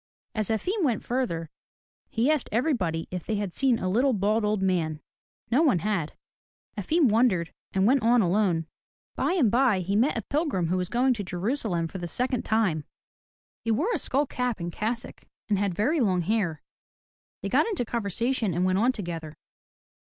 As Efim went further, he asked everybody if they had seen a little, bald old man. No one had. Efim wondered and went on alone. By and by he met a pilgrim who was going to Jerusalem 163 MY BOOK HOUSE for the second time. He wore a skull cap and cassock, and had very long hair. They got into conversation and went on together.